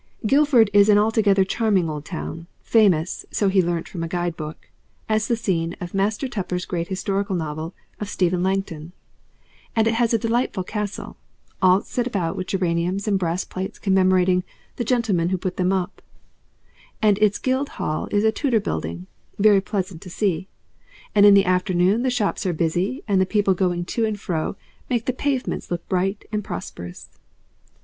Guildford is an altogether charming old town, famous, so he learnt from a Guide Book, as the scene of Master Tupper's great historical novel of Stephen Langton, and it has a delightful castle, all set about with geraniums and brass plates commemorating the gentlemen who put them up, and its Guildhall is a Tudor building, very pleasant to see, and in the afternoon the shops are busy and the people going to and fro make the pavements look bright and prosperous.